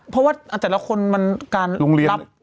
เพราะว่าแต่ละคนมันการรับความหนาว